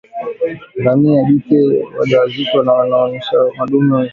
ngamia jike wajawazito na wanaonyonyesha madume ya kuzalisha na kubeba mizigo wenye uzani mwingi